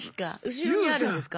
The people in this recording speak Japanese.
後ろにあるんですか？